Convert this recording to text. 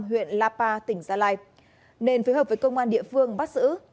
huyện lapa tỉnh gia lai nên phối hợp với công an địa phương bắt giữ